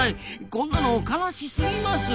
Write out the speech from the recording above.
こんなの悲しすぎます。